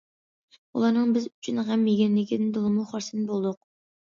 ئۇلارنىڭ بىز ئۈچۈن غەم يېگەنلىكىدىن تولىمۇ خۇرسەن بولدۇق.